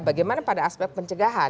bagaimana pada aspek pencegahan